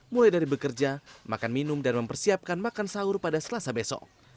mulai dari bekerja makan minum dan mempersiapkan makan sahur pada selasa besok